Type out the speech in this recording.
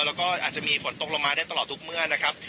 แล้วก็อาจจะมีฝนตกลงมาได้ตลอดทุกเมื่อนะครับ